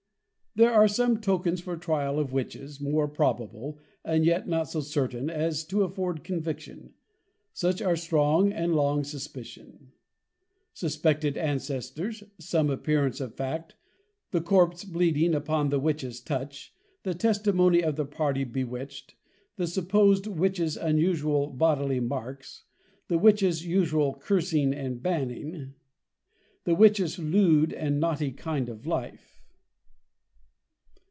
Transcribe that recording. There are some Tokens for the Trial of Witches, more probable, and yet not so certain as to afford Conviction. Such are strong and long Suspicion: Suspected Ancestors, some appearance of Fact, the Corps bleeding upon the Witches touch, the Testimony of the Party bewitched, the supposed Witches unusual Bodily marks, the Witches usual Cursing and Banning, the Witches lewd and naughty kind of Life.